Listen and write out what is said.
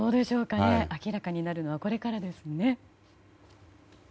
明らかになるのはこれからですね。